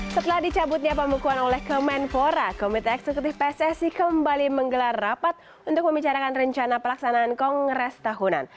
setelah dicabutnya pembekuan oleh kemenpora komite eksekutif pssi kembali menggelar rapat untuk membicarakan rencana pelaksanaan kongres tahunan